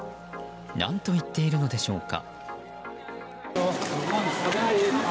何と言っているのでしょうか。